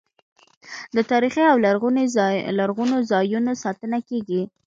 د تاریخي او لرغونو ځایونو ساتنه کیږي.